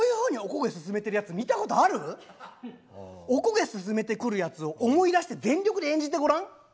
おこげススメてくるやつを思い出して全力で演じてごらん！